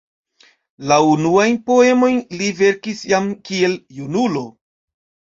La unuajn poemojn li verkis jam kiel junulo.